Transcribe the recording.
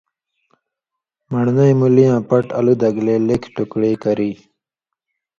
من٘ڑنئ مُولی یاں پٹ الُو د گلے لیکھیۡ ٹکڑی کری۔